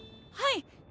はい！